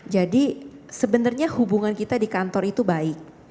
jadi sebenarnya hubungan kita di kantor itu baik